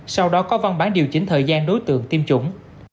sau đó có văn bản điều chỉnh thời gian đối tượng tiêm chủng